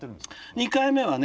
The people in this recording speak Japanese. ２回目はね